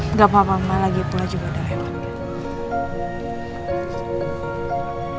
nggak apa apa ma lagi pulang juga udah lewat